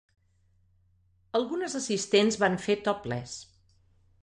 Algunes assistents van fer topless.